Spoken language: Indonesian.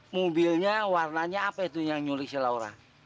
mobilnya warnanya apa itu yang nyulik si laura